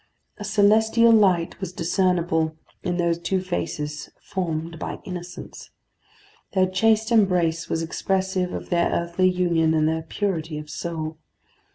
A celestial light was discernible in those two faces formed by innocence. Their chaste embrace was expressive of their earthly union and their purity of soul.